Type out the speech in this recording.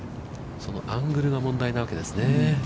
そのアングルが問題なわけですね。